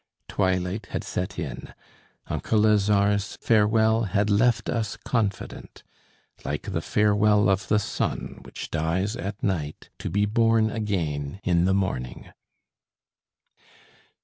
Twilight had set in, uncle Lazare's farewell had left us confident, like the farewell of the sun which dies at night to be born again in the morning.